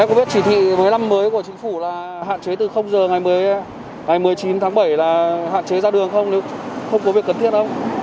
em có biết chỉ thị với năm mới của chính phủ là hạn chế từ h ngày một mươi chín tháng bảy là hạn chế ra đường không không có việc cần thiết không